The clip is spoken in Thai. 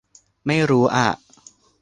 ไม่รู้อะ